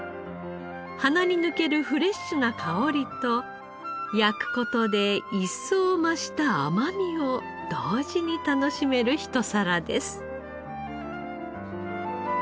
鼻に抜けるフレッシュな香りと焼く事で一層増した甘みを同時に楽しめるひと皿です。